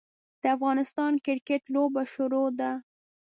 د افغانستان د کرکیټ لوبه شروع ده.